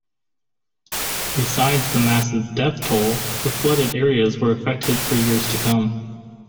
Besides the massive death toll, the flooded areas were affected for years to come.